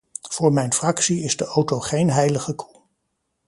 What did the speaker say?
Voor mijn fractie is de auto geen heilige koe.